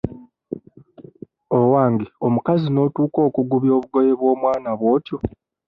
Owange omukazi n'otuuka okugubya obugoye bw'omwana bw'otyo!